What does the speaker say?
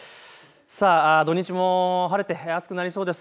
土日も晴れて暑くなりそうです。